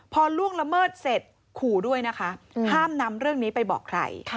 พอล่วงละเมิดเสร็จขู่ด้วยนะคะห้ามนำเรื่องนี้ไปบอกใคร